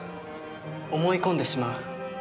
思い込んでしまう。